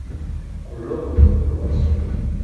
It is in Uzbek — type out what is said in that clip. — Qulluq, qulluq!